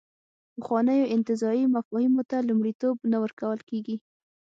پخوانیو انتزاعي مفاهیمو ته لومړیتوب نه ورکول کېږي.